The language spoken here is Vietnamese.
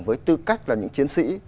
với tư cách là những chiến sĩ